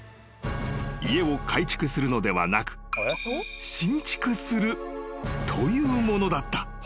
［家を改築するのではなく新築するというものだった］